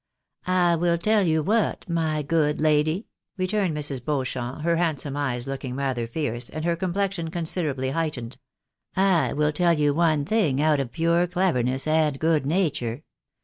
" I will tell you what, my good lady," returned Sirs. Beau cliamp, her handsome eyes looking rather fierce, and her complexion < onsiderably heightened —" I will tell you one thing out of pure < leverness and good nature.